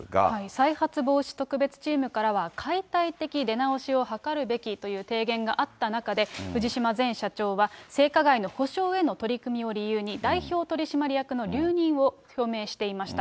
再発防止特別チームからは、解体的出直しを図るべきという提言があった中で、藤島前社長は、性加害の補償への取り組みを理由に代表取締役の留任を表明していました。